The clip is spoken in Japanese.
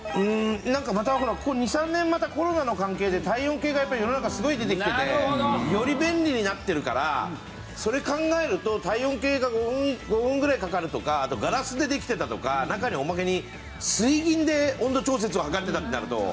なんかまたここ２３年コロナの関係で体温計がやっぱり世の中すごい出てきててより便利になってるからそれ考えると体温計が５分ぐらいかかるとかあとガラスでできてたとか中におまけに水銀で温度調節測ってたってなると。